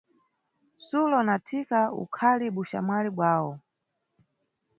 Sulo na Thika ukhali buxamwali bwawo.